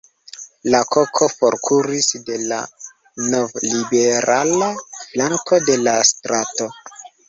La koko forkuris de la novliberala flanko de la strato.